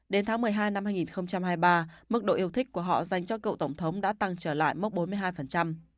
đến tháng một mươi hai năm hai nghìn hai mươi ba mức độ yêu thích của họ dành cho cựu tổng thống đã tăng trở lại mốc bốn mươi hai